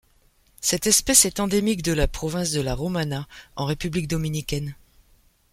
Cette espèce est endémique de la province de La Romana en République dominicaine.